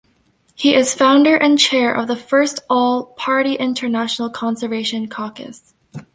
He is Founder and Chair of the first all Party International Conservation Caucus.